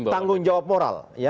tanggung jawab moral